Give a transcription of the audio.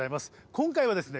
今回はですね